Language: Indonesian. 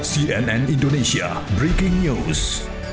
cnn indonesia breaking news